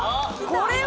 これは！